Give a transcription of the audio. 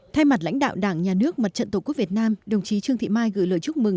thay mặt lãnh đạo đảng nhà nước mặt trận tổ quốc việt nam đồng chí trương thị mai gửi lời chúc mừng